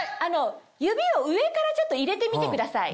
指を上からちょっと入れてみてください。